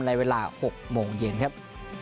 ในเวลา๖โมงเย็นครับ